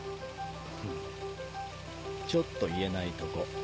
ちょっと言えないとこ。